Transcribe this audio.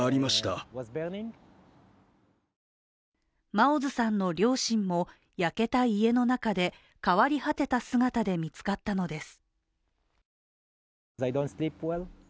マオズさんの両親も、焼けた家の中で変わり果てた姿で見つかったのです。